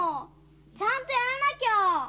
ちゃんとやらなきゃ！